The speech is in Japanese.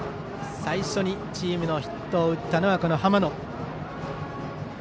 最初にチームのヒットを打ったこの浜野。